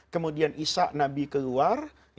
kemudian isa nabi keluar